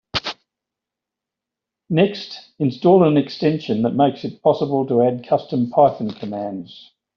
Next, install an extension that makes it possible to add custom Python commands.